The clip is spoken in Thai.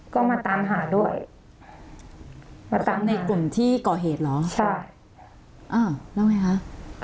ก็มาตามหาด้วยมาตามในกลุ่มที่ก่อเหตุเหรอใช่อ้าวแล้วไงคะ